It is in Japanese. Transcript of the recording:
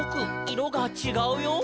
いろがちがうよ」